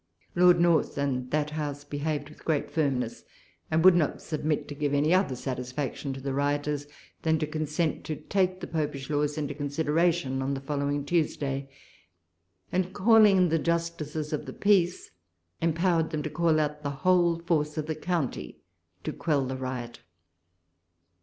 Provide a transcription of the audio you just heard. Lord North and that House behaved with great firmness, and would not submit to give any other satisfaction to the rioters, than to consent to take the Popish laws into consideration on the following Tuesday ; and, calling the Justices of the Peace, empowered them to call out the whole force of the country to quell the riot.